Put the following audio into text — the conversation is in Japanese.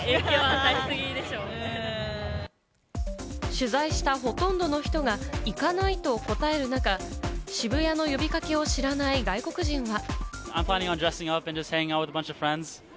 取材したほとんどの人が行かないと答える中、渋谷の呼び掛けを知らない外国人は。